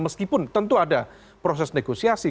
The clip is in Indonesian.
meskipun tentu ada proses negosiasi